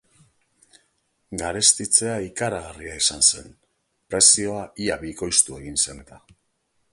Garestitzea ikaragarria izan zen, prezioa ia bikoiztu egin zen eta.